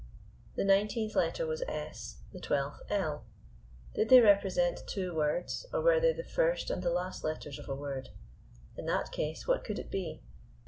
The nineteenth letter was S, the twelfth L. Did they represent two words, or were they the first and the last letters of a word? In that case, what could it be.